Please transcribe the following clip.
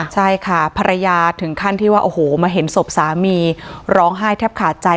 ใช่ค่ะภรรยาถึงขั้นที่ว่าโอ้โหมาเห็นศพสามีร้องไห้แทบขาดใจ